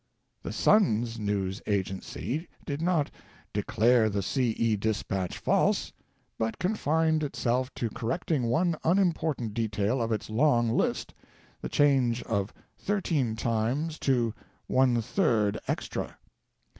The Sun's news agency did not "declare the C. E. dispatch false/' but confined itself to correcting one unimportant detail of its long list— the change of "13 times" to "one third" extra.